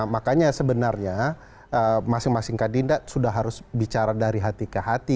makanya sebenarnya masing masing kandidat sudah harus bicara dari hati ke hati